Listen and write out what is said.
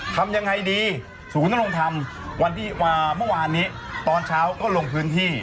ทำยังไงดีศูนย์ดำรงธรรมวันที่เมื่อวานนี้ตอนเช้าก็ลงพื้นที่